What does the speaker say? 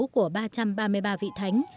của ba trăm ba mươi ba vị thánh